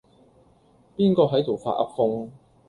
邊個係度發噏風